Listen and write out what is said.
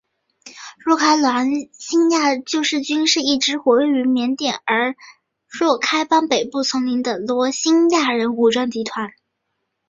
若开罗兴亚救世军是一支活跃于缅甸若开邦北部丛林的罗兴亚人武装集团。